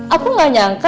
aku gak nyangka